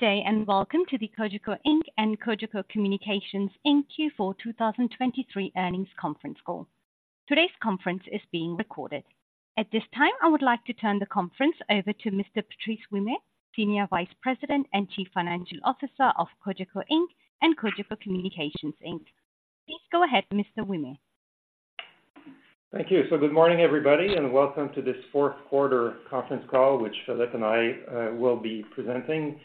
Good day, and welcome to the Cogeco Inc. and Cogeco Communications Inc. Q4 2023 earnings conference call. Today's conference is being recorded. At this time, I would like to turn the conference over to Mr. Patrice Ouimet, Senior Vice President and Chief Financial Officer of Cogeco Inc. and Cogeco Communications Inc. Please go ahead, Mr. Ouimet. Thank you. Good morning, everybody, and welcome to this fourth quarter conference call, which Philippe and I will be presenting.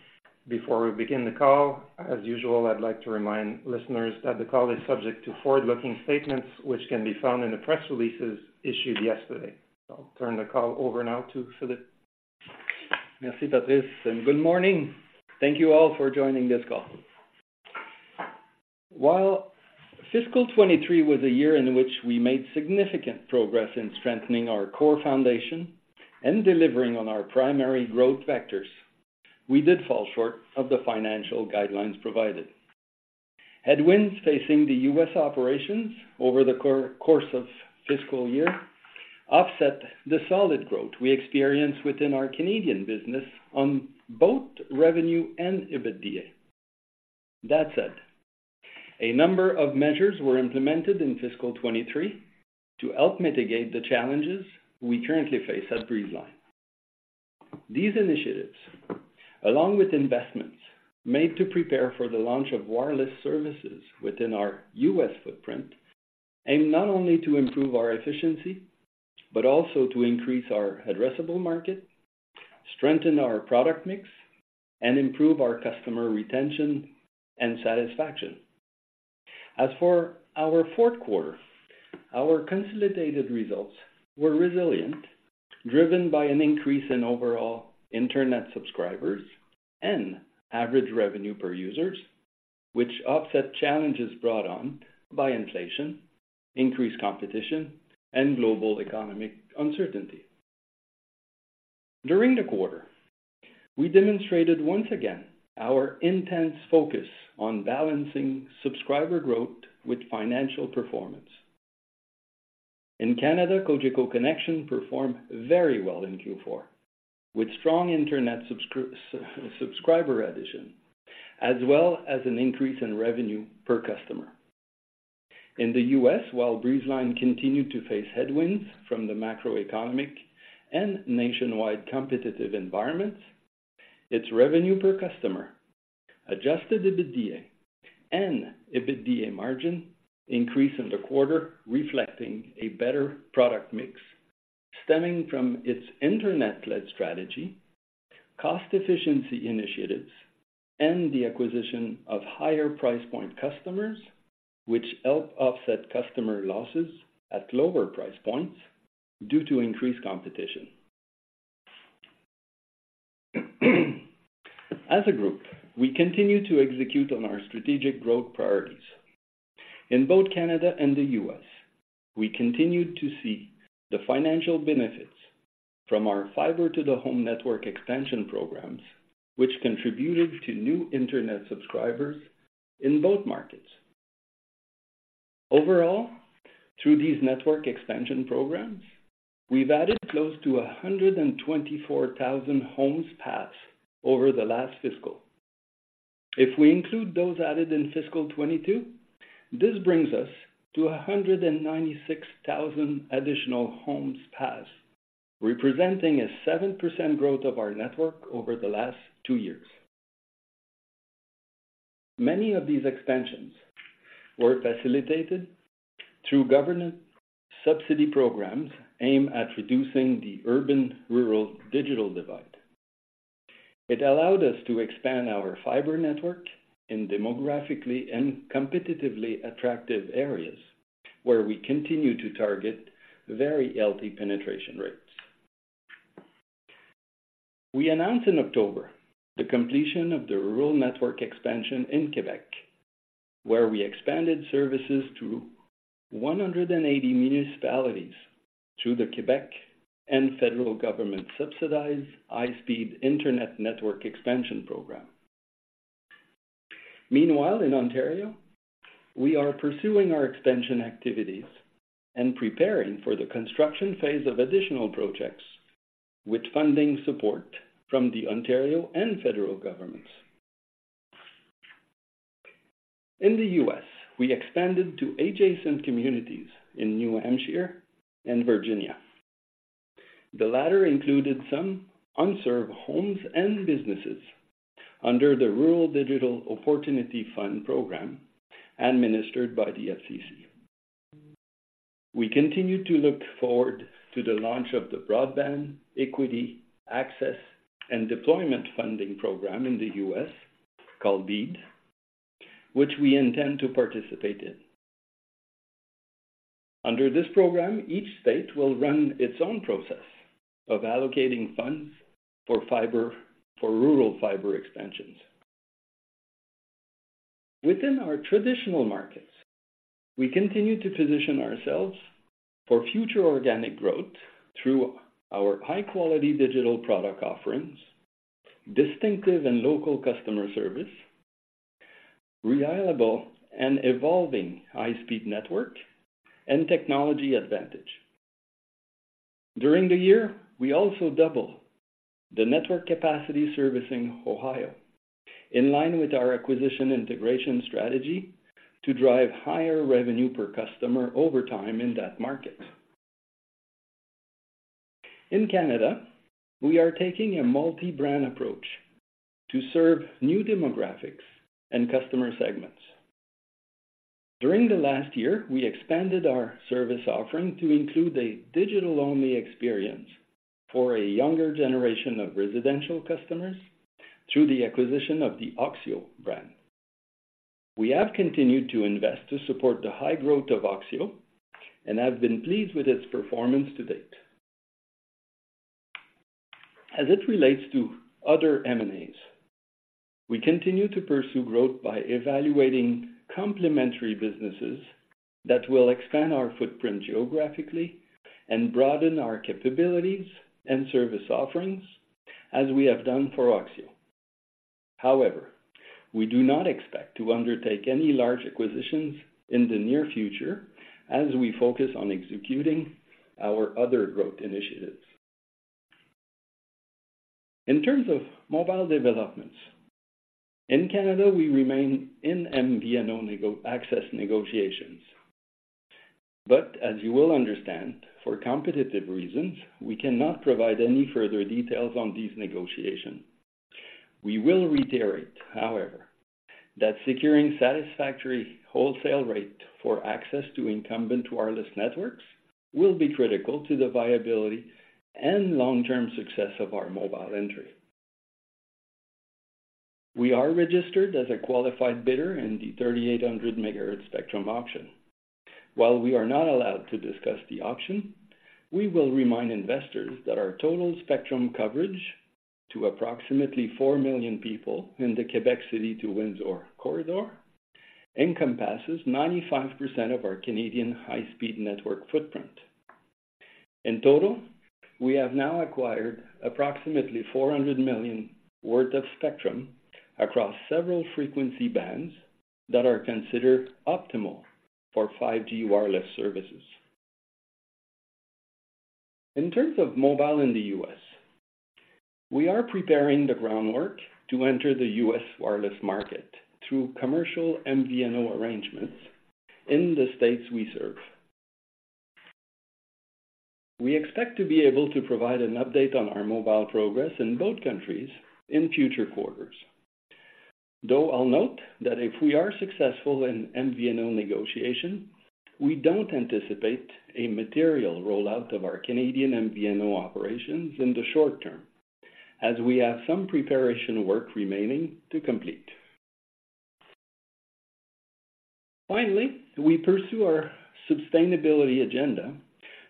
Before we begin the call, as usual, I'd like to remind listeners that the call is subject to forward-looking statements, which can be found in the press releases issued yesterday. I'll turn the call over now to Philippe. Merci, Patrice, and good morning. Thank you all for joining this call. While fiscal 2023 was a year in which we made significant progress in strengthening our core foundation and delivering on our primary growth vectors, we did fall short of the financial guidelines provided. Headwinds facing the U.S. operations over the course of fiscal year offset the solid growth we experienced within our Canadian business on both revenue and EBITDA. That said, a number of measures were implemented in fiscal 2023 to help mitigate the challenges we currently face at Breezeline. These initiatives, along with investments made to prepare for the launch of wireless services within our U.S. footprint, aim not only to improve our efficiency, but also to increase our addressable market, strengthen our product mix, and improve our customer retention and satisfaction. As for our fourth quarter, our consolidated results were resilient, driven by an increase in overall Internet subscribers and average revenue per users, which offset challenges brought on by inflation, increased competition, and global economic uncertainty. During the quarter, we demonstrated once again our intense focus on balancing subscriber growth with financial performance. In Canada, Cogeco Connexion performed very well in Q4, with strong Internet subscriber addition, as well as an increase in revenue per customer. In the U.S., while Breezeline continued to face headwinds from the macroeconomic and nationwide competitive environments, its revenue per customer, adjusted EBITDA and EBITDA margin increased in the quarter, reflecting a better product mix stemming from its Internet-led strategy, cost efficiency initiatives, and the acquisition of higher price point customers, which help offset customer losses at lower price points due to increased competition. As a group, we continue to execute on our strategic growth priorities. In both Canada and the U.S., we continued to see the financial benefits from our fiber-to-the-home network expansion programs, which contributed to new Internet subscribers in both markets. Overall, through these network expansion programs, we've added close to 124,000 homes passed over the last fiscal. If we include those added in fiscal 2022, this brings us to 196,000 additional homes passed, representing a 7% growth of our network over the last two years. Many of these expansions were facilitated through government subsidy programs aimed at reducing the urban-rural digital divide. It allowed us to expand our fiber network in demographically and competitively attractive areas, where we continue to target very healthy penetration rates. We announced in October the completion of the rural network expansion in Quebec, where we expanded services to 180 municipalities through the Quebec and federal government-subsidized High Speed Internet Network Expansion Program. Meanwhile, in Ontario, we are pursuing our expansion activities and preparing for the construction phase of additional projects with funding support from the Ontario and federal governments. In the U.S., we expanded to adjacent communities in New Hampshire and Virginia. The latter included some unserved homes and businesses under the Rural Digital Opportunity Fund program, administered by the FCC. We continue to look forward to the launch of the Broadband Equity, Access, and Deployment funding program in the U.S., called BEAD, which we intend to participate in. Under this program, each state will run its own process of allocating funds for rural fiber expansions. Within our traditional markets, we continue to position ourselves for future organic growth through our high-quality digital product offerings, distinctive and local customer service, reliable and evolving high-speed network, and technology advantage. During the year, we also doubled the network capacity servicing Ohio, in line with our acquisition integration strategy to drive higher revenue per customer over time in that market. In Canada, we are taking a multi-brand approach to serve new demographics and customer segments. During the last year, we expanded our service offering to include a digital-only experience for a younger generation of residential customers through the acquisition of the Oxio brand. We have continued to invest to support the high growth of Oxio and have been pleased with its performance to date. As it relates to other M&As, we continue to pursue growth by evaluating complementary businesses that will expand our footprint geographically and broaden our capabilities and service offerings, as we have done for Oxio. However, we do not expect to undertake any large acquisitions in the near future as we focus on executing our other growth initiatives. In terms of mobile developments, in Canada, we remain in MVNO negotiations. But as you will understand, for competitive reasons, we cannot provide any further details on these negotiations. We will reiterate, however, that securing satisfactory wholesale rate for access to incumbent wireless networks will be critical to the viability and long-term success of our mobile entry. We are registered as a qualified bidder in the 3,800 MHz spectrum auction. While we are not allowed to discuss the auction, we will remind investors that our total spectrum coverage to approximately four million people in the Quebec City to Windsor corridor encompasses 95% of our Canadian high-speed network footprint. In total, we have now acquired approximately 400 million worth of spectrum across several frequency bands that are considered optimal for 5G wireless services. In terms of mobile in the U.S., we are preparing the groundwork to enter the U.S. wireless market through commercial MVNO arrangements in the states we serve. We expect to be able to provide an update on our mobile progress in both countries in future quarters, though I'll note that if we are successful in MVNO negotiation, we don't anticipate a material rollout of our Canadian MVNO operations in the short term, as we have some preparation work remaining to complete. Finally, we pursue our sustainability agenda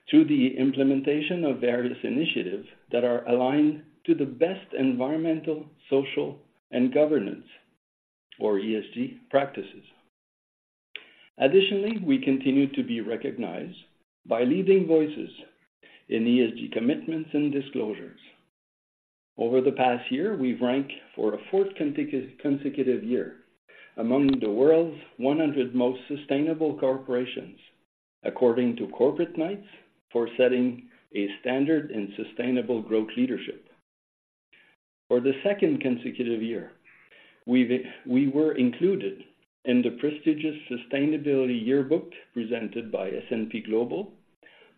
through the implementation of various initiatives that are aligned to the best environmental, social, and governance or ESG practices. Additionally, we continue to be recognized by leading voices in ESG commitments and disclosures. Over the past year, we've ranked for a fourth consecutive year among the world's 100 most sustainable corporations, according to Corporate Knights, for setting a standard in sustainable growth leadership. For the second consecutive year, we were included in the prestigious Sustainability Yearbook, presented by S&P Global,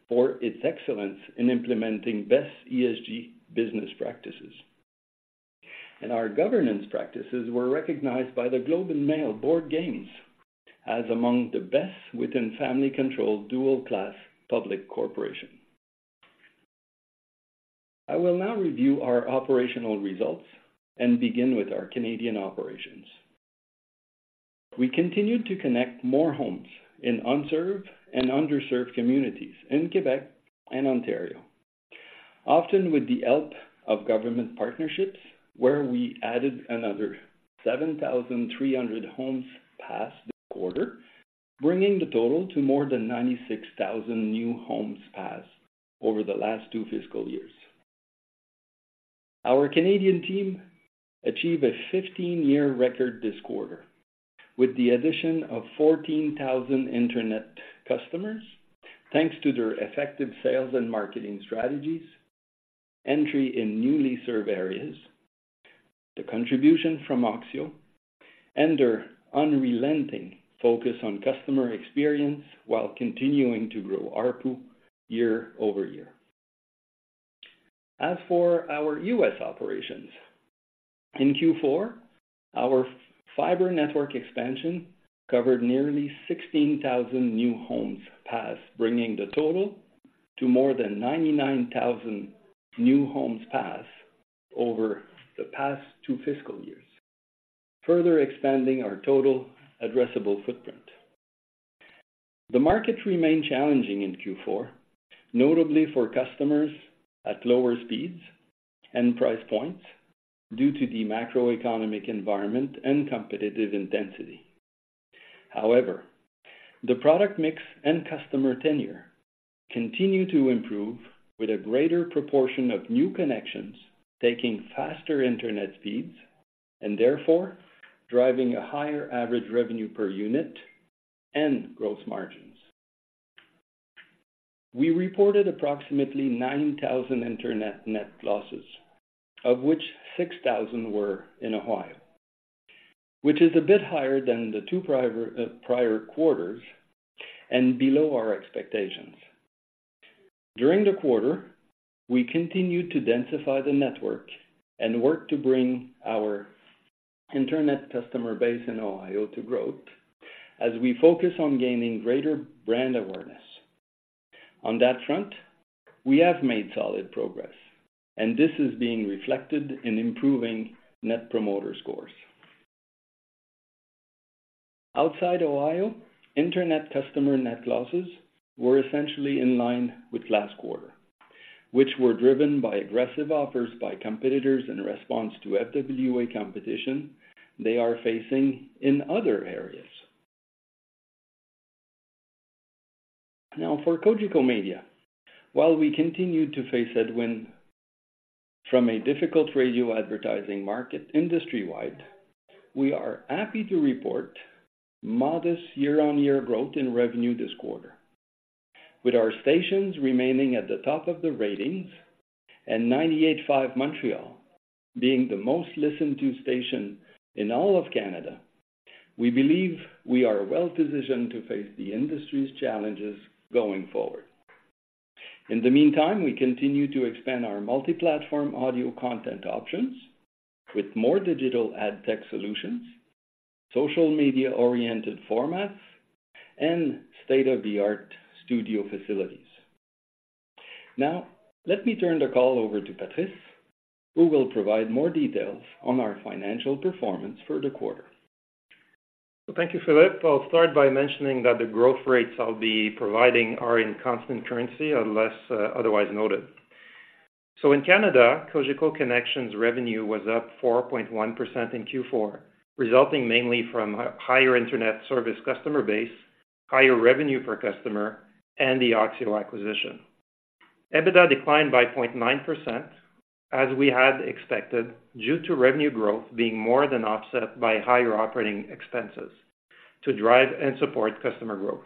for its excellence in implementing best ESG business practices. And our governance practices were recognized by the Globe and Mail Board Games as among the best within family-controlled dual-class public corporation. I will now review our operational results and begin with our Canadian operations. We continued to connect more homes in unserved and underserved communities in Quebec and Ontario, often with the help of government partnerships, where we added another 7,300 homes passed the quarter, bringing the total to more than 96,000 new homes passed over the last two fiscal years. Our Canadian team achieved a 15-year record this quarter, with the addition of 14,000 Internet customers, thanks to their effective sales and marketing strategies, entry in newly served areas, the contribution from Oxio, and their unrelenting focus on customer experience while continuing to grow ARPU year over year. As for our U.S. operations, in Q4, our fiber network expansion covered nearly 16,000 new homes passed, bringing the total to more than 99,000 new homes passed over the past two fiscal years, further expanding our total addressable footprint. The market remained challenging in Q4, notably for customers at lower speeds and price points due to the macroeconomic environment and competitive intensity. However, the product mix and customer tenure continued to improve, with a greater proportion of new connections taking faster Internet speeds and therefore driving a higher average revenue per unit and gross margins. We reported approximately 9,000 internet net losses, of which 6,000 were in Ohio, which is a bit higher than the two prior quarters and below our expectations. During the quarter, we continued to densify the network and work to bring our internet customer base in Ohio to growth as we focus on gaining greater brand awareness. On that front, we have made solid progress, and this is being reflected in improving Net Promoter Scores. Outside Ohio, internet customer net losses were essentially in line with last quarter, which were driven by aggressive offers by competitors in response to FWA competition they are facing in other areas. Now, for Cogeco Media, while we continue to face headwind from a difficult radio advertising market industry-wide, we are happy to report modest year-on-year growth in revenue this quarter. With our stations remaining at the top of the ratings and 98.5 Montreal being the most listened to station in all of Canada, we believe we are well-positioned to face the industry's challenges going forward. In the meantime, we continue to expand our multi-platform audio content options with more digital ad tech solutions, social media-oriented formats, and state-of-the-art studio facilities. Now, let me turn the call over to Patrice, who will provide more details on our financial performance for the quarter. Thank you, Philippe. I'll start by mentioning that the growth rates I'll be providing are in constant currency, unless otherwise noted. So in Canada, Cogeco Connexion revenue was up 4.1% in Q4, resulting mainly from a higher internet service customer base, higher revenue per customer, and the Oxio acquisition. EBITDA declined by 0.9%, as we had expected, due to revenue growth being more than offset by higher operating expenses to drive and support customer growth,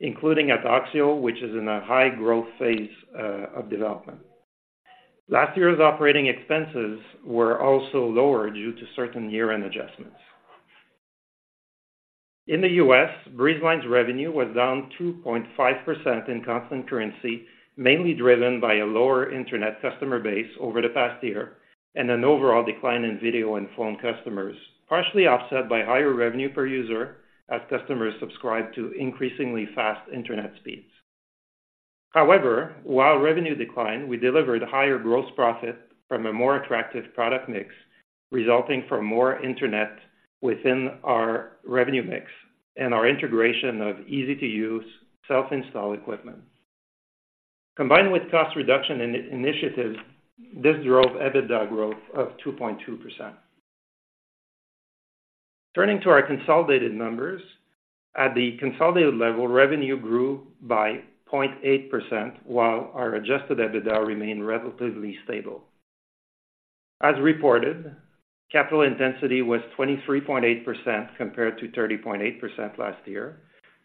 including at Oxio, which is in a high growth phase of development. Last year's operating expenses were also lower due to certain year-end adjustments. In the U.S., Breezeline's revenue was down 2.5% in constant currency, mainly driven by a lower internet customer base over the past year and an overall decline in video and phone customers, partially offset by higher revenue per user as customers subscribe to increasingly fast internet speeds. However, while revenue declined, we delivered higher gross profit from a more attractive product mix, resulting from more internet within our revenue mix and our integration of easy-to-use self-install equipment. Combined with cost reduction in initiatives, this drove EBITDA growth of 2.2%. Turning to our consolidated numbers. At the consolidated level, revenue grew by 0.8%, while our adjusted EBITDA remained relatively stable. As reported, capital intensity was 23.8%, compared to 30.8% last year,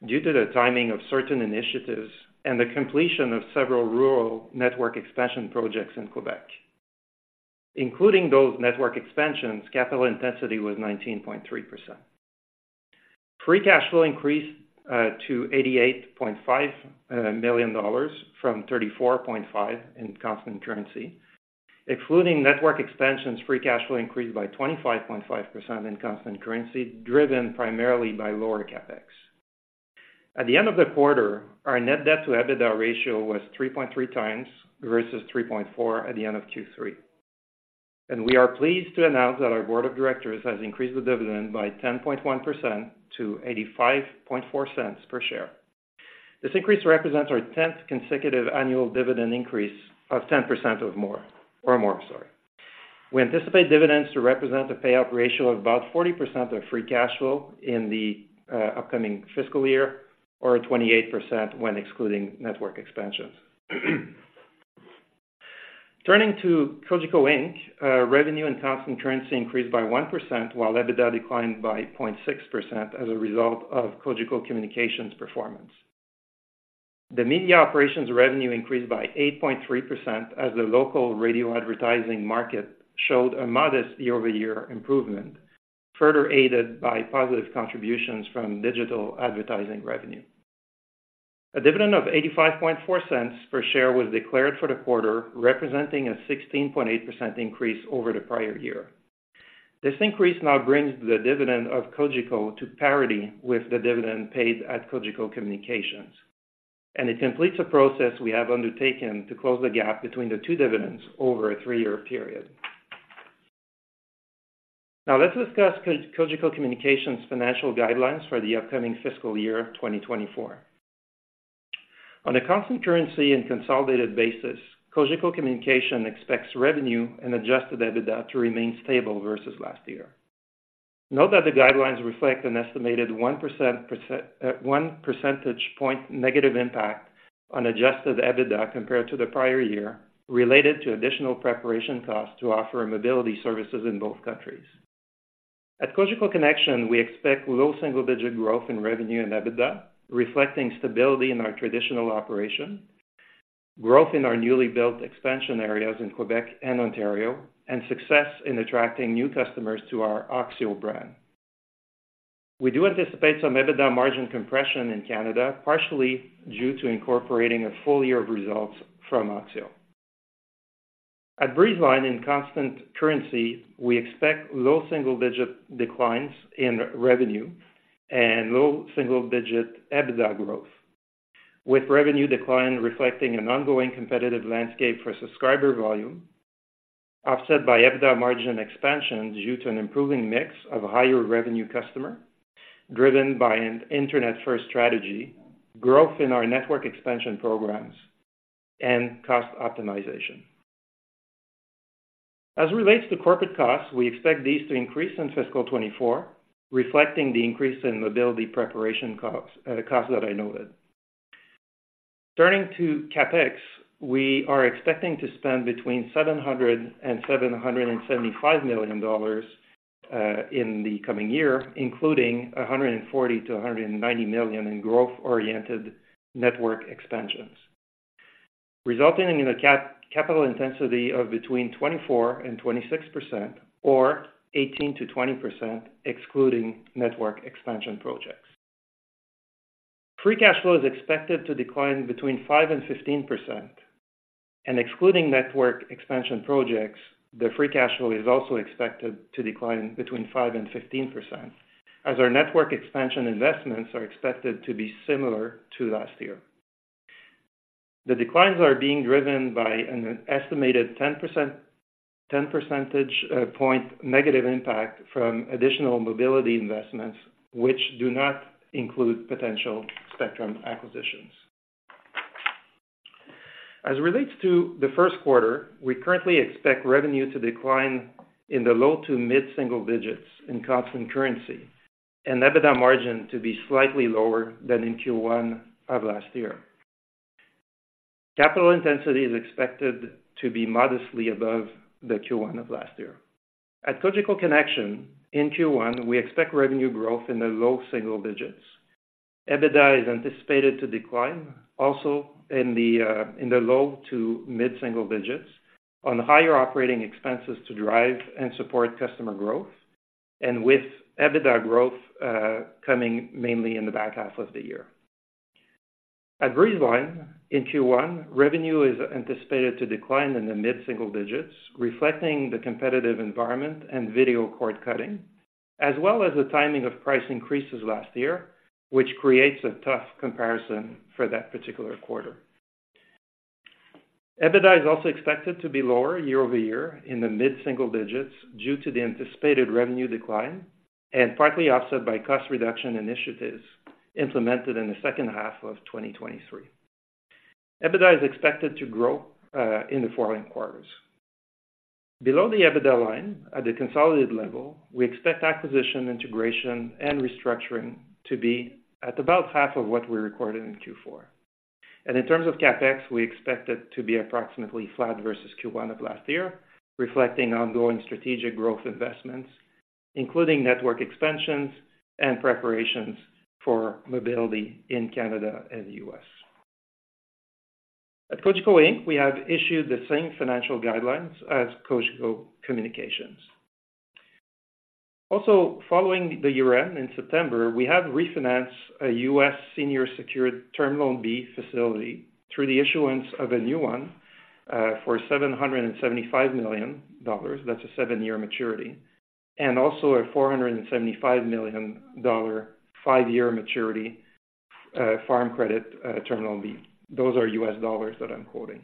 due to the timing of certain initiatives and the completion of several rural network expansion projects in Quebec. Including those network expansions, capital intensity was 19.3%. Free cash flow increased to 88.5 million dollars from 34.5 million in constant currency. Excluding network expansions, free cash flow increased by 25.5% in constant currency, driven primarily by lower CapEx. At the end of the quarter, our net debt to EBITDA ratio was 3.3x versus 3.4x at the end of Q3. We are pleased to announce that our board of directors has increased the dividend by 10.1% to 0.854 per share. This increase represents our 10th consecutive annual dividend increase of 10% or more, or more, sorry. We anticipate dividends to represent a payout ratio of about 40% of free cash flow in the upcoming fiscal year, or 28% when excluding network expansions. Turning to Cogeco Inc., revenue and constant currency increased by 1%, while EBITDA declined by 0.6% as a result of Cogeco Communications performance. The media operations revenue increased by 8.3% as the local radio advertising market showed a modest year-over-year improvement, further aided by positive contributions from digital advertising revenue. A dividend of 0.854 per share was declared for the quarter, representing a 16.8% increase over the prior year. This increase now brings the dividend of Cogeco to parity with the dividend paid at Cogeco Communications, and it completes a process we have undertaken to close the gap between the two dividends over a three-year period. Now, let's discuss Cogeco Communications' financial guidelines for the upcoming fiscal year 2024. On a constant currency and consolidated basis, Cogeco Communications expects revenue and adjusted EBITDA to remain stable versus last year. Note that the guidelines reflect an estimated one percentage point negative impact on adjusted EBITDA compared to the prior year, related to additional preparation costs to offer mobility services in both countries. At Cogeco Connexion, we expect low single-digit growth in revenue and EBITDA, reflecting stability in our traditional operation, growth in our newly built expansion areas in Quebec and Ontario, and success in attracting new customers to our Oxio brand. We do anticipate some EBITDA margin compression in Canada, partially due to incorporating a full year of results from Oxio. At Breezeline, in constant currency, we expect low single-digit declines in revenue and low single-digit EBITDA growth, with revenue decline reflecting an ongoing competitive landscape for subscriber volume, offset by EBITDA margin expansion due to an improving mix of higher revenue customer, driven by an internet-first strategy, growth in our network expansion programs, and cost optimization. As it relates to corporate costs, we expect these to increase in fiscal 2024, reflecting the increase in mobility preparation costs, costs that I noted. Turning to CapEx, we are expecting to spend between 700 million dollars and 775 million dollars in the coming year, including 140 million-190 million in growth-oriented network expansions, resulting in a capital intensity of between 24% and 26%, or 18%-20%, excluding network expansion projects. Free cash flow is expected to decline between 5% and 15%, and excluding network expansion projects, the free cash flow is also expected to decline between 5% and 15%, as our network expansion investments are expected to be similar to last year. The declines are being driven by an estimated 10 percentage point negative impact from additional mobility investments, which do not include potential spectrum acquisitions. As it relates to the first quarter, we currently expect revenue to decline in the low to mid-single digits in constant currency, and EBITDA margin to be slightly lower than in Q1 of last year. Capital intensity is expected to be modestly above the Q1 of last year. At Cogeco Connexion, in Q1, we expect revenue growth in the low single digits. EBITDA is anticipated to decline also in the low to mid-single digits, on higher operating expenses to drive and support customer growth, and with EBITDA growth coming mainly in the back half of the year. At Breezeline, in Q1, revenue is anticipated to decline in the mid-single digits, reflecting the competitive environment and video cord cutting, as well as the timing of price increases last year, which creates a tough comparison for that particular quarter. EBITDA is also expected to be lower year-over-year in the mid-single digits due to the anticipated revenue decline, and partly offset by cost reduction initiatives implemented in the second half of 2023. EBITDA is expected to grow in the following quarters. Below the EBITDA line, at the consolidated level, we expect acquisition, integration, and restructuring to be at about half of what we recorded in Q4. And in terms of CapEx, we expect it to be approximately flat versus Q1 of last year, reflecting ongoing strategic growth investments, including network expansions and preparations for mobility in Canada and the U.S. At Cogeco Inc., we have issued the same financial guidelines as Cogeco Communications. Also, following the year-end in September, we have refinanced a U.S. senior secured Term Loan B facility through the issuance of a new one for $775 million. That's a seven-year maturity, and also a $475 million five-year maturity, Farm Credit, Term Loan B. Those are U.S. dollars that I'm quoting.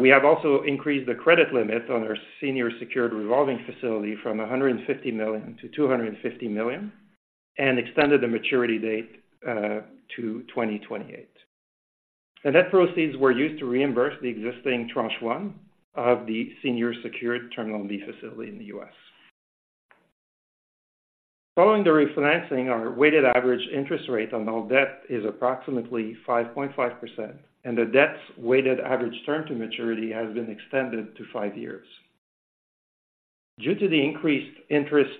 We have also increased the credit limit on our senior secured revolving facility from 150 million to 250 million, and extended the maturity date, to 2028. The net proceeds were used to reimburse the existing tranche one of the senior secured Term Loan B facility in the U.S.. Following the refinancing, our weighted average interest rate on all debt is approximately 5.5%, and the debt's weighted average term to maturity has been extended to five years. Due to the increased interest,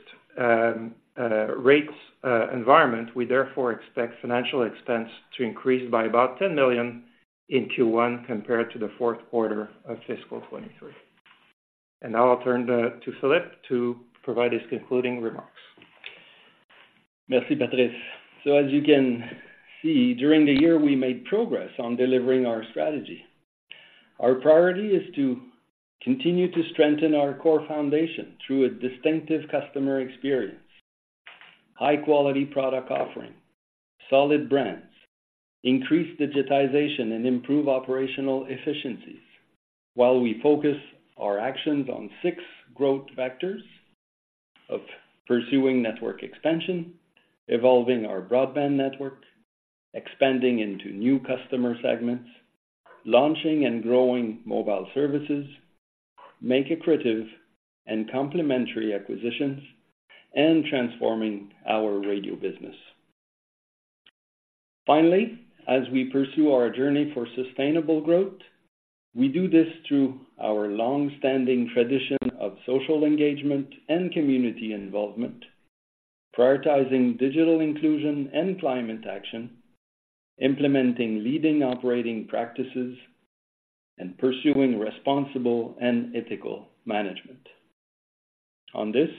rates, environment, we therefore expect financial expense to increase by about 10 million in Q1 compared to the fourth quarter of fiscal 2023. Now I'll turn to Philippe to provide his concluding remarks. Merci, Patrice. So as you can see, during the year, we made progress on delivering our strategy. Our priority is to continue to strengthen our core foundation through a distinctive customer experience, high-quality product offering, solid brands, increase digitization, and improve operational efficiencies, while we focus our actions on six growth vectors of pursuing network expansion, evolving our broadband network, expanding into new customer segments, launching and growing mobile services.... make accretive and complementary acquisitions, and transforming our radio business. Finally, as we pursue our journey for sustainable growth, we do this through our long-standing tradition of social engagement and community involvement, prioritizing digital inclusion and climate action, implementing leading operating practices, and pursuing responsible and ethical management. On this,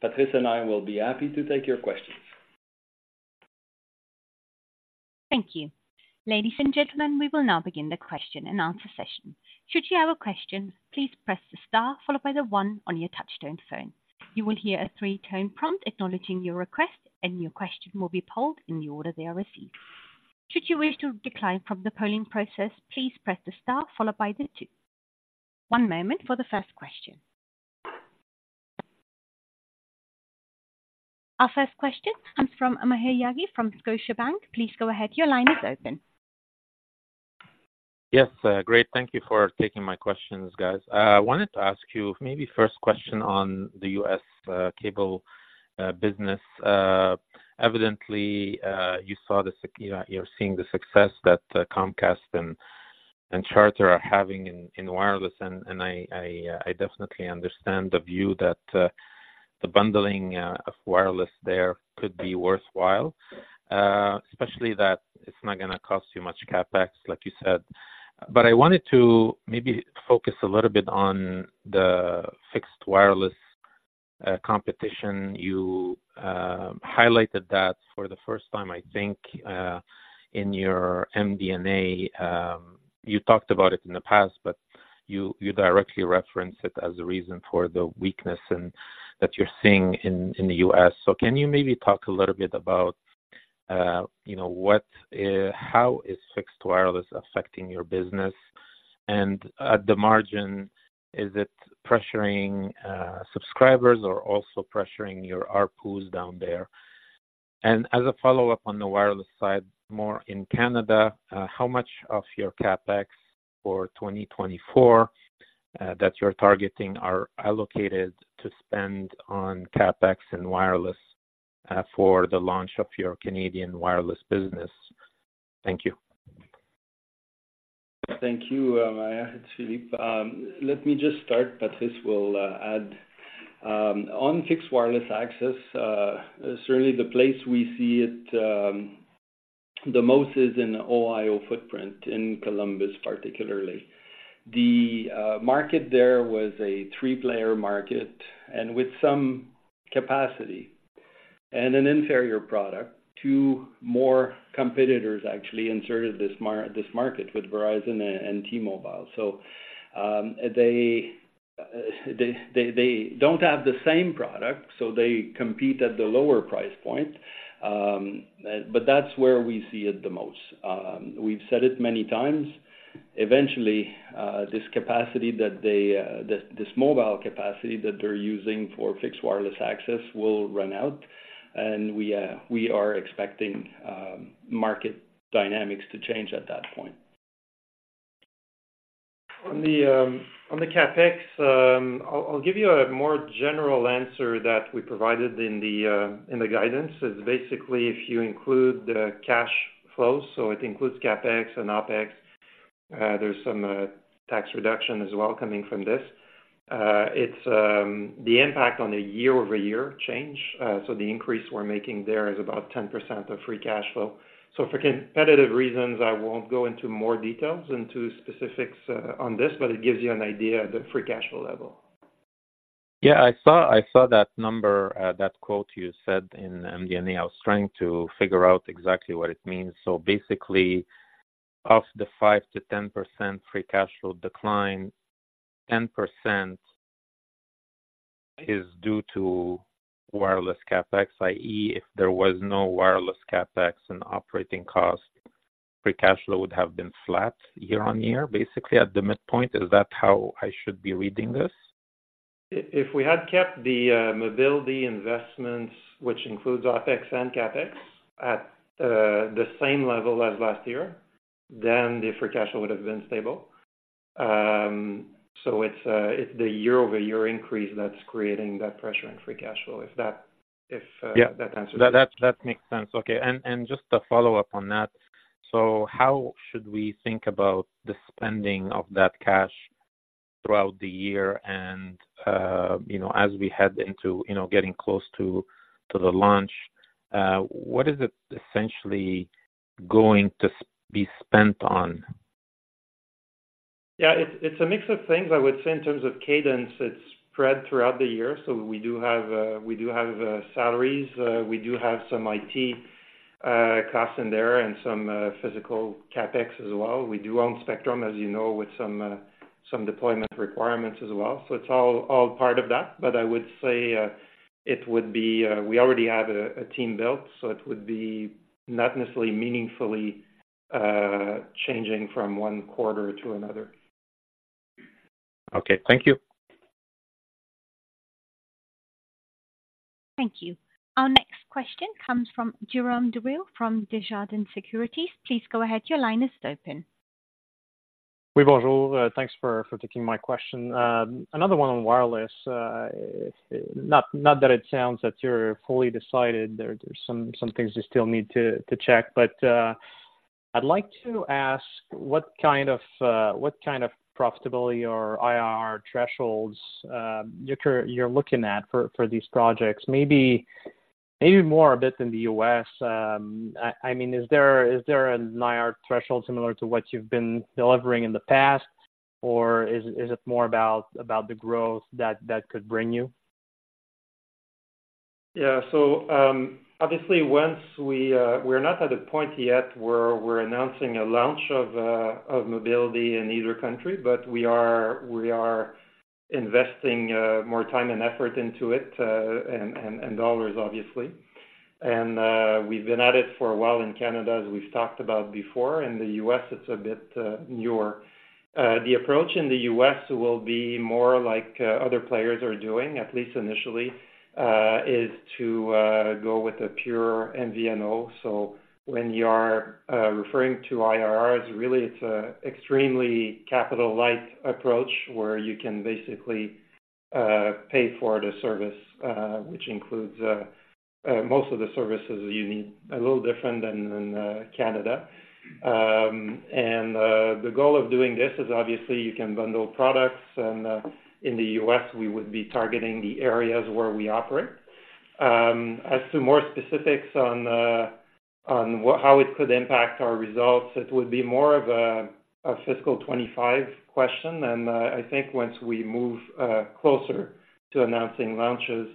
Patrice and I will be happy to take your questions. Thank you. Ladies and gentlemen, we will now begin the question and answer session. Should you have a question, please press the star followed by the one on your touchtone phone. You will hear a three-tone prompt acknowledging your request, and your question will be polled in the order they are received. Should you wish to decline from the polling process, please press the star followed by the two. One moment for the first question. Our first question comes from Maher Yaghi from Scotiabank. Please go ahead. Your line is open. Yes, great. Thank you for taking my questions, guys. I wanted to ask you maybe first question on the U.S. cable business. Evidently, you know, you're seeing the success that Comcast and Charter are having in wireless. And I definitely understand the view that the bundling of wireless there could be worthwhile, especially that it's not gonna cost you much CapEx, like you said. But I wanted to maybe focus a little bit on the fixed wireless competition. You highlighted that for the first time, I think, in your MD&A. You talked about it in the past, but you directly referenced it as a reason for the weakness and that you're seeing in the U.S. So can you maybe talk a little bit about, you know, what, how is fixed wireless affecting your business? And at the margin, is it pressuring, subscribers or also pressuring your ARPUs down there? And as a follow-up on the wireless side, more in Canada, how much of your CapEx for 2024, that you're targeting are allocated to spend on CapEx and wireless, for the launch of your Canadian wireless business? Thank you. Thank you, Maher. It's Philippe. Let me just start, Patrice will add. On fixed wireless access, certainly the place we see it the most is in the Ohio footprint, in Columbus particularly. The market there was a three-player market, and with some capacity and an inferior product, two more competitors actually inserted into this market with Verizon and T-Mobile. So, they don't have the same product, so they compete at the lower price point. But that's where we see it the most. We've said it many times. Eventually, this mobile capacity that they're using for fixed wireless access will run out, and we are expecting market dynamics to change at that point. On the CapEx, I'll give you a more general answer that we provided in the guidance. Is basically, if you include the cash flows, so it includes CapEx and OpEx, there's some tax reduction as well coming from this. It's the impact on a year-over-year change, so the increase we're making there is about 10% of Free Cash Flow. So for competitive reasons, I won't go into more details, into specifics, on this, but it gives you an idea of the Free Cash Flow level. Yeah, I saw, I saw that number, that quote you said in MD&A. I was trying to figure out exactly what it means. So basically, of the 5%-10% free cash flow decline, 10% is due to wireless CapEx, i.e., if there was no wireless CapEx and operating cost, free cash flow would have been flat year-on-year, basically at the midpoint. Is that how I should be reading this? If, if we had kept the mobility investments, which includes OpEx and CapEx, at the same level as last year, then the free cash flow would have been stable. So it's, it's the year-over-year increase that's creating that pressure on free cash flow, if that, if that answers- Yeah. That, that makes sense. Okay, and just a follow-up on that: so how should we think about the spending of that cash throughout the year? And, you know, as we head into, you know, getting close to the launch, what is it essentially going to be spent on? Yeah, it's a mix of things. I would say in terms of Cadence, it's spread throughout the year. So we do have salaries, we do have some IT costs in there and some physical CapEx as well. We do own spectrum, as you know, with some deployment requirements as well. So it's all part of that. But I would say it would be we already have a team built, so it would be not necessarily meaningfully changing from one quarter to another. Okay. Thank you.... Thank you. Our next question comes from Jérôme Dubreuil, from Desjardins Securities. Please go ahead. Your line is open. Oui, bonjour. Thanks for taking my question. Another one on wireless. Not that it sounds that you're fully decided, there's some things you still need to check. But, I'd like to ask, what kind of profitability or IRR thresholds you're looking at for these projects? Maybe more a bit in the U.S. I mean, is there an IRR threshold similar to what you've been delivering in the past? Or is it more about the growth that could bring you? Yeah. So, obviously, we’re not at a point yet where we’re announcing a launch of mobility in either country, but we are investing more time and effort into it, and dollars, obviously. And we’ve been at it for a while in Canada, as we’ve talked about before. In the U.S., it’s a bit newer. The approach in the U.S. will be more like other players are doing, at least initially, is to go with a pure MVNO. So when you are referring to IRRs, really, it’s a extremely capital-light approach, where you can basically pay for the service, which includes most of the services you need. A little different than in Canada. And, the goal of doing this is, obviously, you can bundle products, and, in the U.S., we would be targeting the areas where we operate. As to more specifics on, on what- how it could impact our results, it would be more of a, a fiscal 2025 question. And, I think once we move, closer to announcing launches,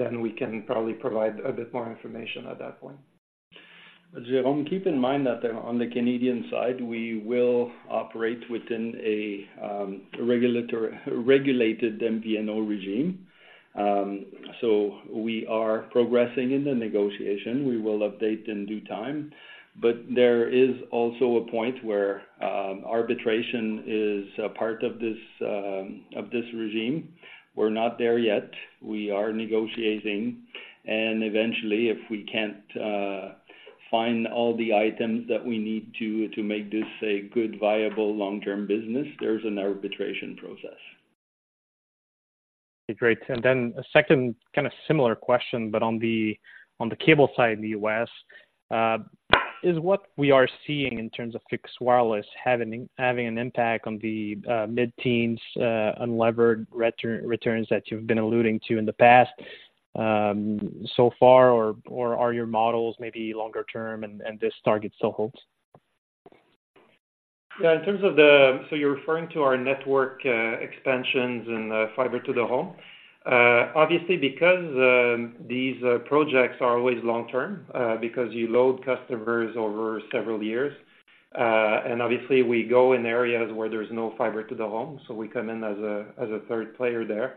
then we can probably provide a bit more information at that point. Jérôme, keep in mind that on the Canadian side, we will operate within a regulatory-regulated MVNO regime. So we are progressing in the negotiation. We will update in due time. But there is also a point where arbitration is a part of this of this regime. We're not there yet. We are negotiating, and eventually, if we can't find all the items that we need to make this a good, viable, long-term business, there's an arbitration process. Great. And then a second kind of similar question, but on the cable side in the U.S.. Is what we are seeing in terms of fixed wireless having an impact on the mid-teens unlevered returns that you've been alluding to in the past so far, or are your models maybe longer term, and this target still holds? Yeah, in terms of the... So you're referring to our network expansions and fiber to the home. Obviously, because these projects are always long term, because you load customers over several years, and obviously we go in areas where there's no fiber to the home, so we come in as a third player there.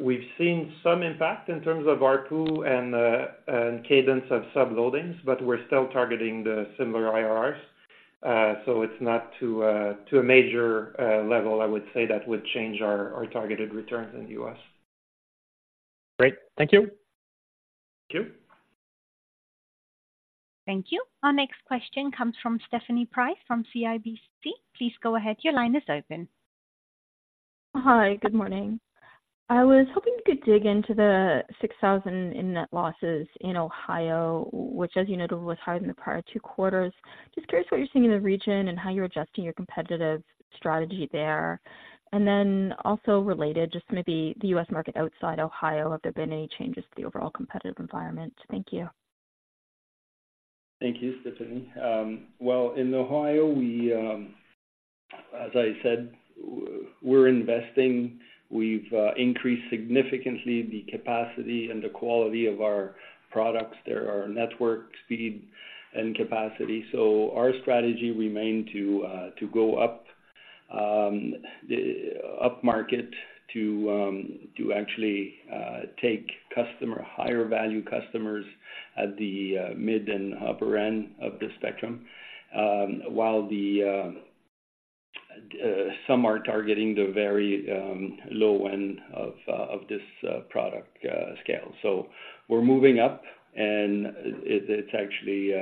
We've seen some impact in terms of ARPU and cadence of sub loadings, but we're still targeting the similar IRRs. So it's not to a major level, I would say, that would change our targeted returns in the U.S. Great. Thank you. Thank you. Thank you. Our next question comes from Stephanie Price, from CIBC. Please go ahead. Your line is open. Hi. Good morning. I was hoping you could dig into the 6,000 in net losses in Ohio, which, as you noted, was higher than the prior two quarters. Just curious what you're seeing in the region and how you're adjusting your competitive strategy there. Then also related, just maybe the U.S. market outside Ohio, have there been any changes to the overall competitive environment? Thank you. Thank you, Stephanie. Well, in Ohio, we... As I said, we're investing. We've increased significantly the capacity and the quality of our products. There are network speed and capacity. So our strategy remain to go up, the upmarket, to actually take customer- higher value customers at the mid and upper end of the spectrum. While the, some are targeting the very low end of of this product scale. So we're moving up, and it, it's actually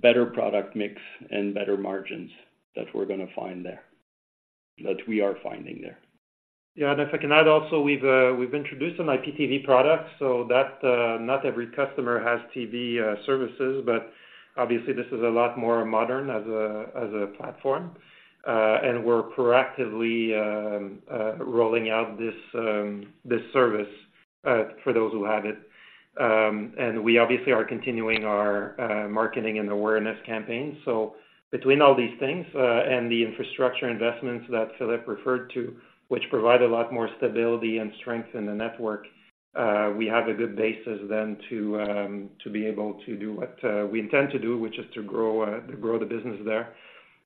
better product mix and better margins that we're gonna find there, that we are finding there. Yeah, and if I can add also, we've introduced an IPTV product, so that not every customer has TV services, but obviously this is a lot more modern as a platform. And we're proactively rolling out this service for those who have it. And we obviously are continuing our marketing and awareness campaign. So between all these things and the infrastructure investments that Philippe referred to, which provide a lot more stability and strength in the network, we have a good basis then to be able to do what we intend to do, which is to grow the business there.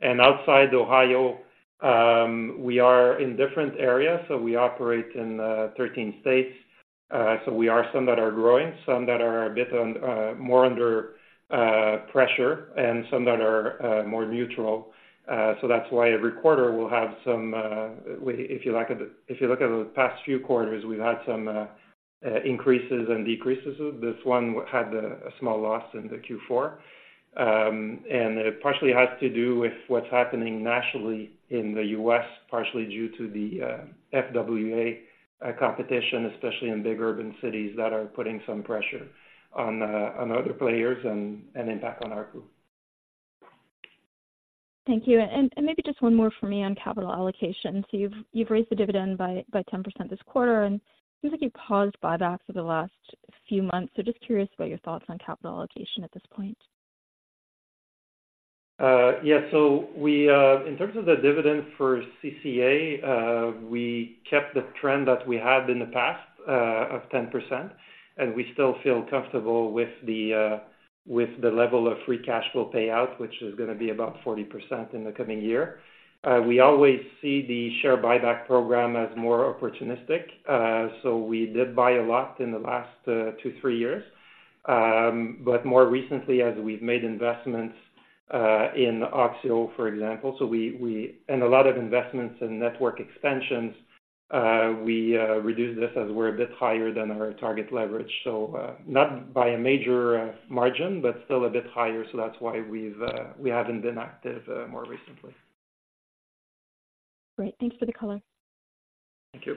And outside Ohio, we are in different areas, so we operate in 13 states. So we are some that are growing, some that are a bit more under pressure, and some that are more neutral. So that's why every quarter we'll have some, if you like, if you look at the past few quarters, we've had some increases and decreases. This one had a small loss in the Q4. And it partially has to do with what's happening nationally in the U.S., partially due to the FWA competition, especially in big urban cities that are putting some pressure on other players and impact on our group. Thank you. And maybe just one more for me on capital allocation. So you've raised the dividend by 10% this quarter, and seems like you paused buybacks for the last few months. So just curious about your thoughts on capital allocation at this point. Yeah. So we, in terms of the dividend for CCA, we kept the trend that we had in the past of 10%, and we still feel comfortable with the level of free cash flow payout, which is gonna be about 40% in the coming year. We always see the share buyback program as more opportunistic. So we did buy a lot in the last two-three years. But more recently, as we've made investments in Oxio, for example, and a lot of investments in network expansions, we reduced this as we're a bit higher than our target leverage. So, not by a major margin, but still a bit higher. So that's why we haven't been active more recently. Great. Thanks for the color. Thank you.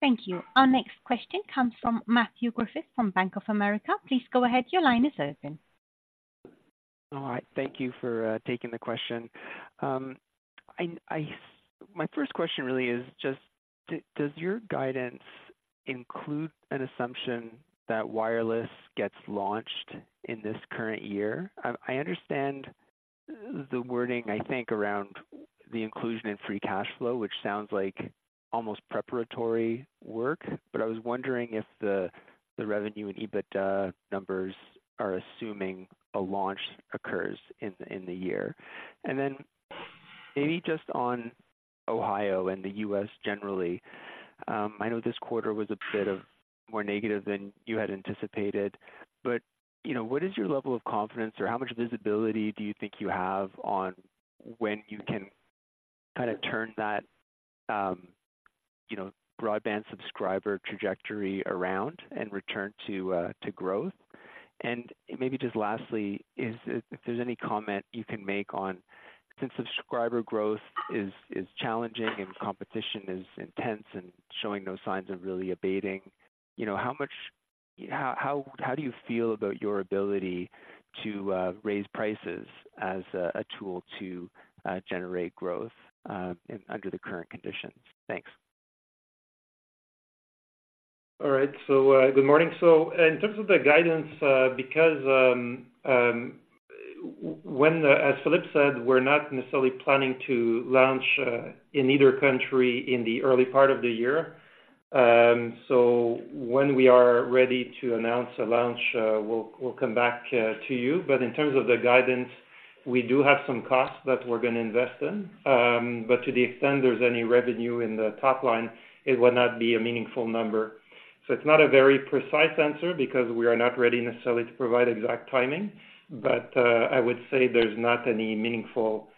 Thank you. Our next question comes from Matthew Griffiths, from Bank of America. Please go ahead. Your line is open. All right. Thank you for taking the question. My first question really is just, does your guidance include an assumption that wireless gets launched in this current year? I understand the wording, I think, around the inclusion in free cash flow, which sounds like almost preparatory work, but I was wondering if the revenue and EBITDA numbers are assuming a launch occurs in the year. And then maybe just on Ohio and the U.S. generally, I know this quarter was a bit of more negative than you had anticipated, but you know, what is your level of confidence, or how much visibility do you think you have on when you can kind of turn that you know, broadband subscriber trajectory around and return to growth? Maybe just lastly, if there's any comment you can make on, since subscriber growth is challenging and competition is intense and showing no signs of really abating, you know, how do you feel about your ability to raise prices as a tool to generate growth under the current conditions? Thanks. All right. So, good morning. So in terms of the guidance, because, when, as Philippe said, we're not necessarily planning to launch in either country in the early part of the year. So when we are ready to announce a launch, we'll come back to you. But in terms of the guidance, we do have some costs that we're gonna invest in. But to the extent there's any revenue in the top line, it would not be a meaningful number. So it's not a very precise answer because we are not ready necessarily to provide exact timing, but I would say there's not any meaningful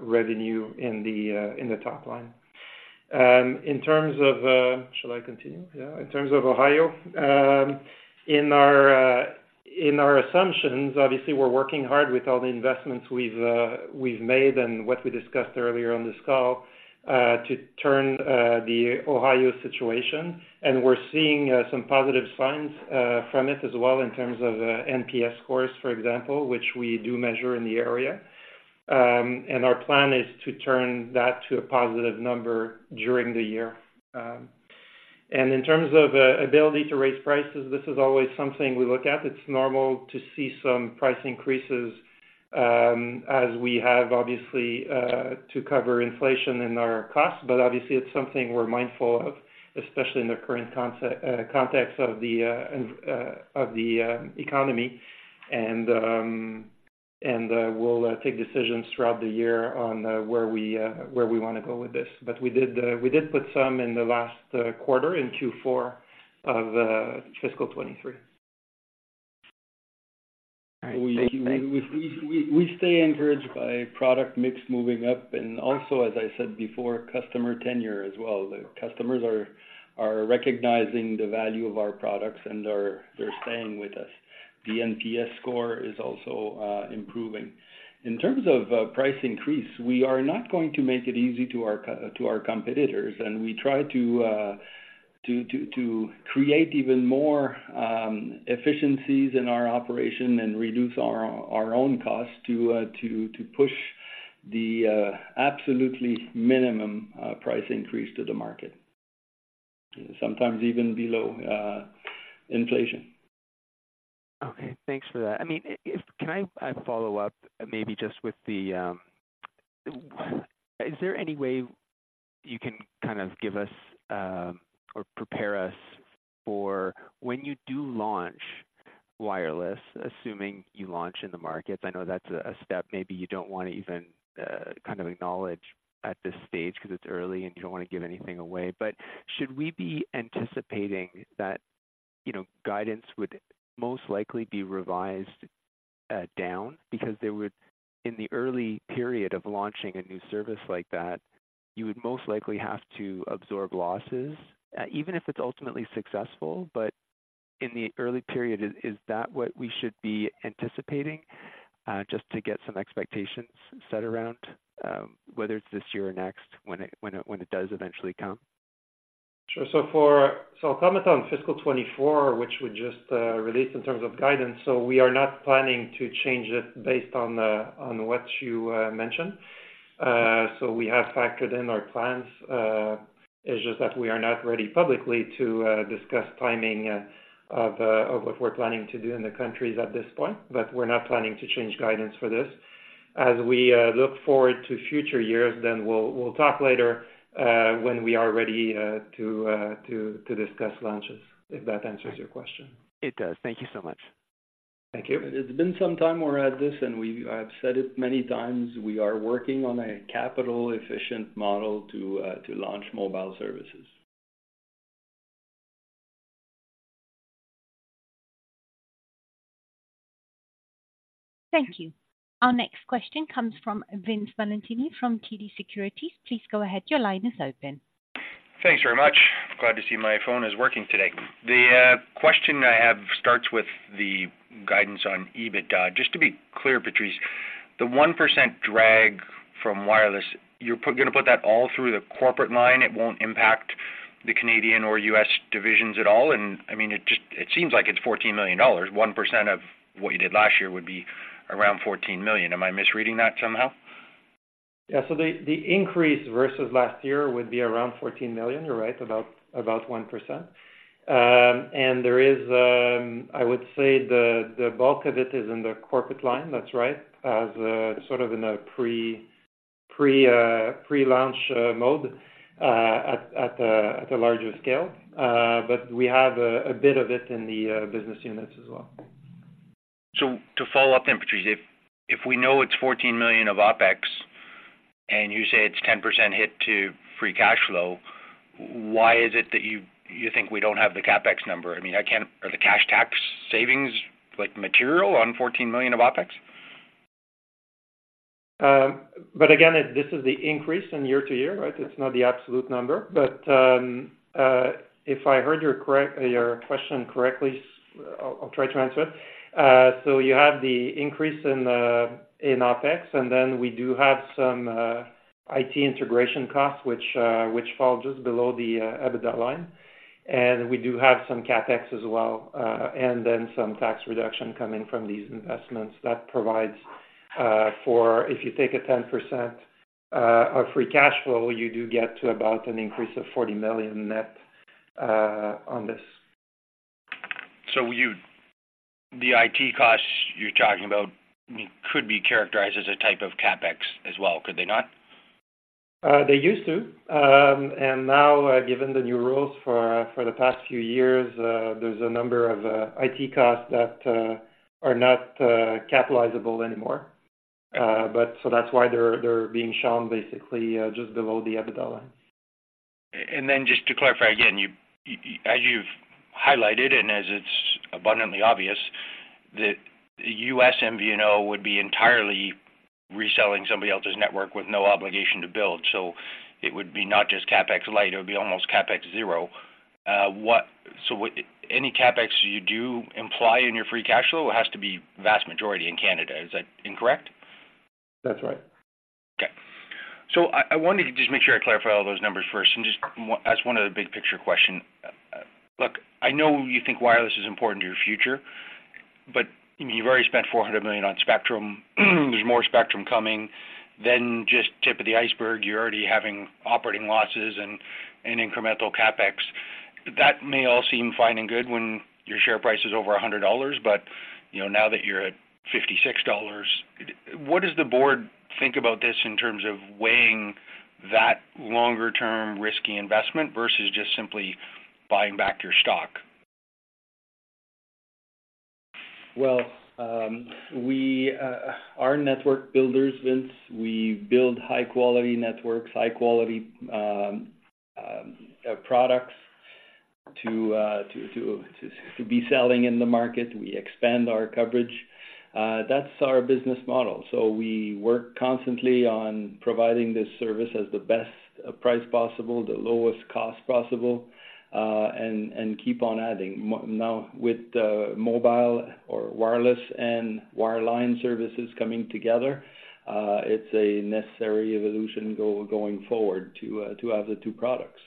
revenue in the top line. In terms of... Shall I continue? Yeah. In terms of Ohio, in our assumptions, obviously, we're working hard with all the investments we've made and what we discussed earlier on this call to turn the Ohio situation. And we're seeing some positive signs from it as well in terms of NPS scores, for example, which we do measure in the area. And our plan is to turn that to a positive number during the year. And in terms of ability to raise prices, this is always something we look at. It's normal to see some price increases as we have obviously to cover inflation in our costs. But obviously it's something we're mindful of, especially in the current context of the economy. And we'll take decisions throughout the year on where we wanna go with this. But we did put some in the last quarter, in Q4 of fiscal 2023. All right. Thanks. We stay encouraged by product mix moving up, and also, as I said before, customer tenure as well. The customers are recognizing the value of our products and they're staying with us. The NPS score is also improving. In terms of price increase, we are not going to make it easy to our competitors, and we try to create even more efficiencies in our operation and reduce our own costs to push the absolutely minimum price increase to the market. Sometimes even below inflation. Okay, thanks for that. I mean, can I follow up maybe just with the... Is there any way you can kind of give us or prepare us for when you do launch wireless, assuming you launch in the markets. I know that's a step maybe you don't want to even kind of acknowledge at this stage because it's early and you don't want to give anything away. But should we be anticipating that, you know, guidance would most likely be revised down? Because there would, in the early period of launching a new service like that, you would most likely have to absorb losses, even if it's ultimately successful. But in the early period, is that what we should be anticipating? Just to get some expectations set around whether it's this year or next, when it does eventually come. Sure. So I'll comment on fiscal 2024, which we just released in terms of guidance. So we are not planning to change it based on what you mentioned. So we have factored in our plans. It's just that we are not ready publicly to discuss timing of what we're planning to do in the countries at this point. But we're not planning to change guidance for this. As we look forward to future years, then we'll talk later when we are ready to discuss launches. If that answers your question. It does. Thank you so much. Thank you. It's been some time we're at this, and we've... I've said it many times, we are working on a capital-efficient model to to launch mobile services. Thank you. Our next question comes from Vince Valentini, from TD Securities. Please go ahead. Your line is open. Thanks very much. Glad to see my phone is working today. The question I have starts with the guidance on EBITDA. Just to be clear, Patrice, the 1% drag from wireless, you're gonna put that all through the corporate line, it won't impact the Canadian or U.S. divisions at all? And, I mean, it just... It seems like it's 14 million dollars. One percent of what you did last year would be around 14 million. Am I misreading that somehow? Yeah, so the increase versus last year would be around 14 million. You're right, about 1%. And there is, I would say the bulk of it is in the corporate line. That's right. As sort of in a pre-launch mode at a larger scale. But we have a bit of it in the business units as well. So to follow up then, Patrice, if we know it's 14 million of OpEx, and you say it's 10% hit to free cash flow, why is it that you think we don't have the CapEx number? I mean, I can't... Are the cash tax savings, like, material on 14 million of OpEx? But again, this is the increase in year-over-year, right? It's not the absolute number. But, if I heard your question correctly, I'll try to answer it. So you have the increase in OpEx, and then we do have some IT integration costs, which fall just below the EBITDA line. And we do have some CapEx as well, and then some tax reduction coming from these investments. That provides for if you take a 10% of free cash flow, you do get to about an increase of 40 million net on this. The IT costs you're talking about could be characterized as a type of CapEx as well, could they not? They used to. And now, given the new rules for the past few years, there's a number of IT costs that are not capitalizable anymore. But so that's why they're being shown basically just below the EBITDA line. And then just to clarify again, you, as you've highlighted, and as it's abundantly obvious, the U.S. MVNO would be entirely reselling somebody else's network with no obligation to build. So it would be not just CapEx light, it would be almost CapEx zero. Any CapEx you do imply in your free cash flow has to be vast majority in Canada. Is that incorrect? That's right. Okay. I wanted to just make sure I clarify all those numbers first and just ask one other big-picture question. Look, I know you think wireless is important to your future, but, I mean, you've already spent 400 million on spectrum. There's more spectrum coming than just tip of the iceberg. You're already having operating losses and incremental CapEx. That may all seem fine and good when your share price is over 100 dollars, but, you know, now that you're at 56 dollars, what does the board think about this in terms of weighing that longer-term risky investment versus just simply buying back your stock? Well, we are network builders, Vince. We build high-quality networks, high quality products to be selling in the market. We expand our coverage. That's our business model. So we work constantly on providing this service as the best price possible, the lowest cost possible, and keep on adding. Now, with mobile or wireless and wireline services coming together, it's a necessary evolution going forward to have the two products.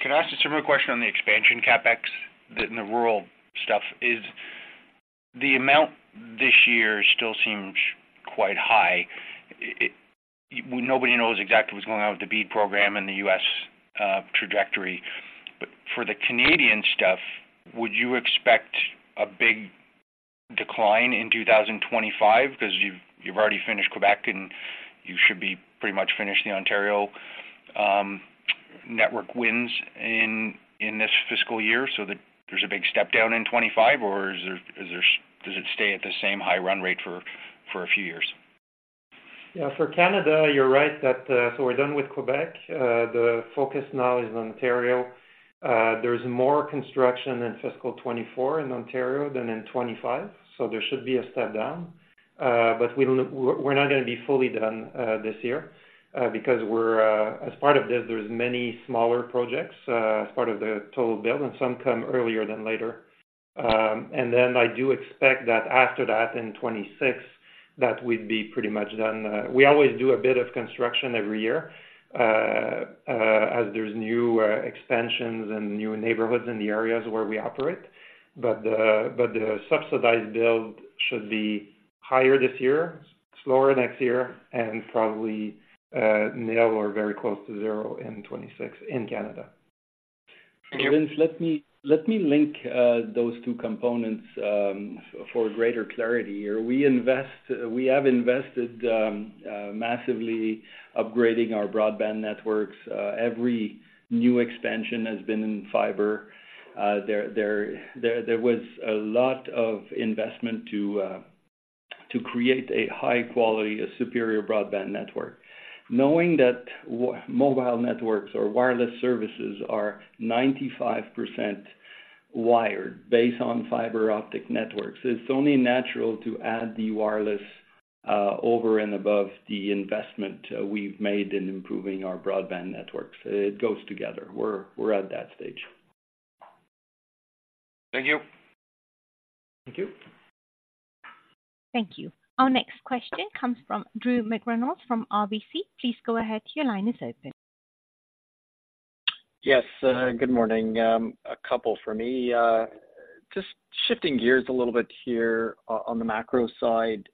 Can I ask a similar question on the expansion CapEx in the rural stuff? Is the amount this year still seems quite high. Well, nobody knows exactly what's going on with the BEAD program and the U.S. trajectory. But for the Canadian stuff, would you expect a big decline in 2025, because you've already finished Quebec, and you should be pretty much finished the Ontario network wins in this fiscal year, so that there's a big step down in 2025, or is there—does it stay at the same high run rate for a few years? Yeah, for Canada, you're right, that, so we're done with Quebec. The focus now is on Ontario. There's more construction in fiscal 2024 in Ontario than in 2025, so there should be a step down. But we don't, we're not going to be fully done this year, because as part of this, there's many smaller projects as part of the total build, and some come earlier than later. And then I do expect that after that, in 2026, that we'd be pretty much done. We always do a bit of construction every year as there's new expansions and new neighborhoods in the areas where we operate. But the subsidized build should be higher this year, slower next year, and probably nil or very close to zero in 2026 in Canada. Thank you. Vince, let me link those two components for greater clarity here. We have invested massively upgrading our broadband networks. Every new expansion has been in fiber. There was a lot of investment to create a high quality, superior broadband network. Knowing that mobile networks or wireless services are 95% wired based on fiber optic networks, it's only natural to add the wireless over and above the investment we've made in improving our broadband networks. It goes together. We're at that stage. Thank you. Thank you. Thank you. Our next question comes from Drew McReynolds, from RBC. Please go ahead. Your line is open. Yes, good morning. A couple for me. Just shifting gears a little bit here on the macro side.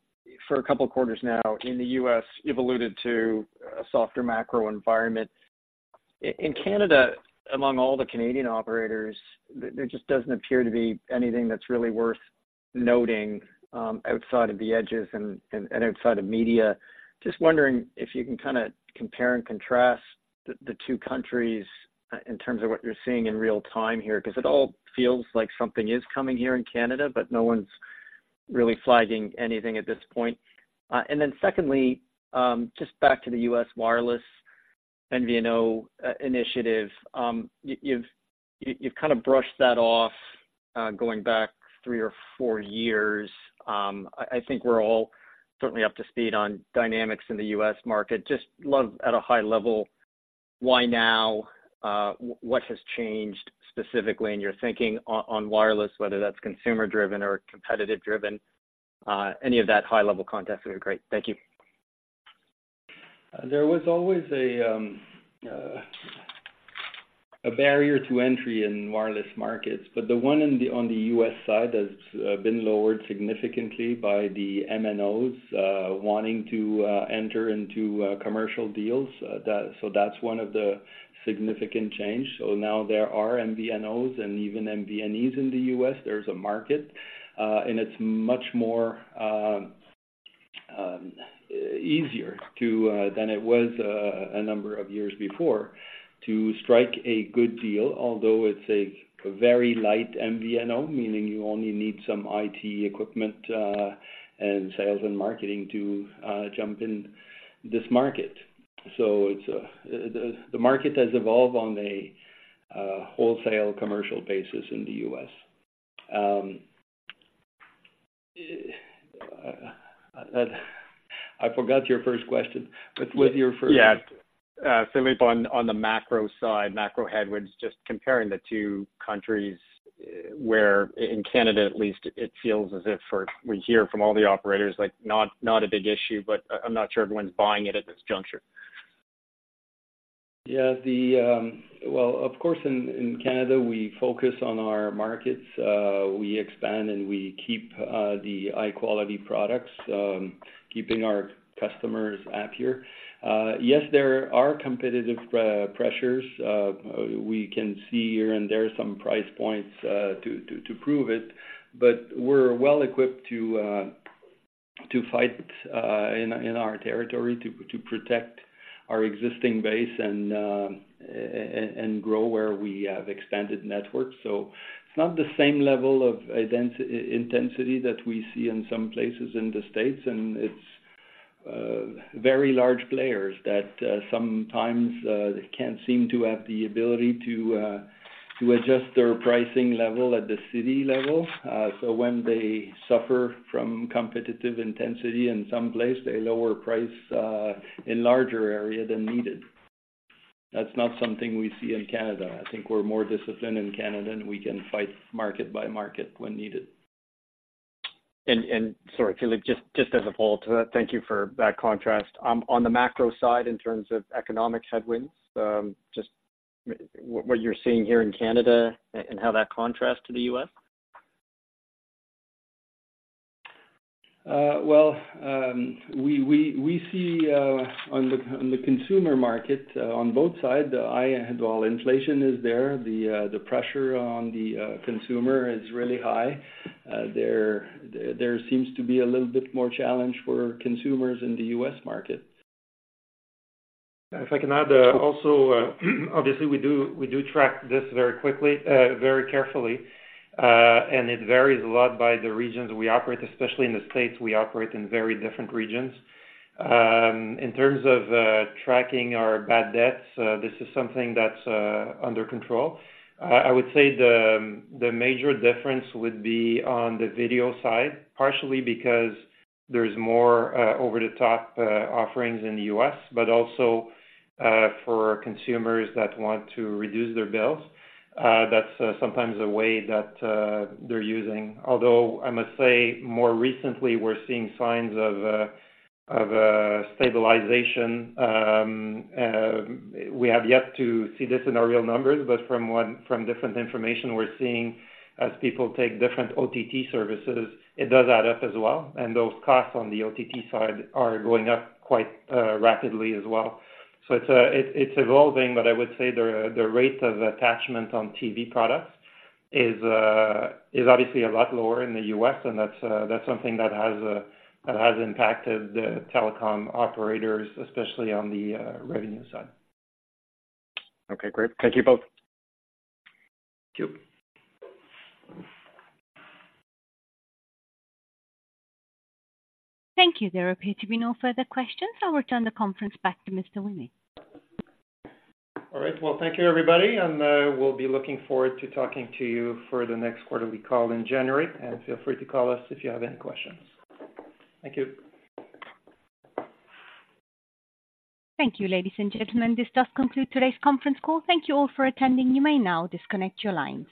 For a couple of quarters now in the U.S., you've alluded to a softer macro environment. In Canada, among all the Canadian operators, there just doesn't appear to be anything that's really worth noting, outside of the edges and outside of media. Just wondering if you can kinda compare and contrast the two countries in terms of what you're seeing in real time here, because it all feels like something is coming here in Canada, but no one's really flagging anything at this point. And then secondly, just back to the U.S. wireless MVNO initiative. You've kind of brushed that off, going back three or four years. I think we're all certainly up to speed on dynamics in the U.S. market. I'd love at a high level, why now? What has changed specifically in your thinking on wireless, whether that's consumer-driven or competitive-driven? Any of that high-level context would be great. Thank you. There was always a barrier to entry in wireless markets, but the one in the... on the U.S. side has been lowered significantly by the MNOs wanting to enter into commercial deals. That... So that's one of the significant change. So now there are MVNOs and even MVNEs in the U.S. There's a market, and it's much more easier to than it was a number of years before, to strike a good deal, although it's a very light MVNO, meaning you only need some IT equipment and sales and marketing to jump in this market. So it's the market has evolved on a wholesale commercial basis in the U.S. I forgot your first question, but with your first- Yeah. Philippe, on the macro side, macro headwinds, just comparing the two countries, where in Canada at least, it feels as if we're, we hear from all the operators, like, not a big issue, but I'm not sure everyone's buying it at this juncture. Yeah. Well, of course, in Canada, we focus on our markets. We expand, and we keep the high-quality products, keeping our customers happier. Yes, there are competitive pressures. We can see here and there some price points to prove it, but we're well equipped to fight in our territory, to protect our existing base and grow where we have expanded networks. So it's not the same level of intensity that we see in some places in the States, and it's very large players that sometimes they can't seem to have the ability to adjust their pricing level at the city level. So when they suffer from competitive intensity in some place, they lower price in larger area than needed. That's not something we see in Canada. I think we're more disciplined in Canada, and we can fight market by market when needed. And sorry, Philippe, just as a follow to that. Thank you for that contrast. On the macro side, in terms of economic headwinds, just what you're seeing here in Canada and how that contrasts to the U.S.? ...Well, we see on the consumer market, on both sides, the high. Well, inflation is there. The pressure on the consumer is really high. There seems to be a little bit more challenge for consumers in the U.S. market. If I can add, also, obviously, we do track this very quickly, very carefully, and it varies a lot by the regions we operate, especially in the States, we operate in very different regions. In terms of tracking our bad debts, this is something that's under control. I would say the major difference would be on the video side, partially because there's more over-the-top offerings in the U.S., but also, for consumers that want to reduce their bills. That's sometimes a way that they're using. Although, I must say, more recently, we're seeing signs of stabilization. We have yet to see this in our real numbers, but from different information we're seeing, as people take different OTT services, it does add up as well, and those costs on the OTT side are going up quite rapidly as well. So it's evolving, but I would say the rate of attachment on TV products is obviously a lot lower in the U.S., and that's something that has impacted the telecom operators, especially on the revenue side. Okay, great. Thank you both. Thank you. Thank you. There appear to be no further questions. I'll return the conference back to Mr. Ouimet. All right. Well, thank you, everybody, and we'll be looking forward to talking to you for the next quarterly call in January. Feel free to call us if you have any questions. Thank you. Thank you, ladies and gentlemen. This does conclude today's conference call. Thank you all for attending. You may now disconnect your lines.